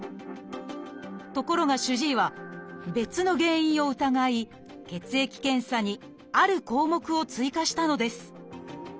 ところが主治医は別の原因を疑い血液検査にある項目を追加したのです。